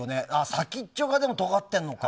先っちょが尖ってるのか。